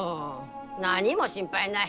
何も心配ない。